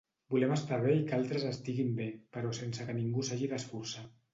Volem estar bé i que altres estiguin bé però sense que ningú s'hagi d'esforçar.